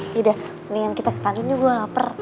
yaudah mendingan kita ke kantin gue lapar